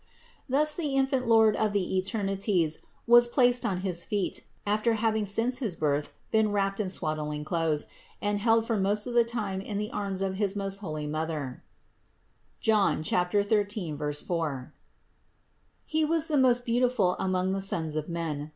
692. Thus the infant Lord of the eternities was placed on his feet, after having since his birth been wrapped in swaddling clothes and held for most of the time in the arms of his most holy Mother (John 13, 4). He was the most beautiful among the sons of men.